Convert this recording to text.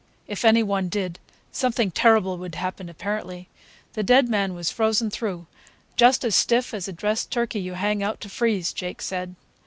If any one did, something terrible would happen, apparently. The dead man was frozen through, "just as stiff as a dressed turkey you hang out to freeze," Jake said.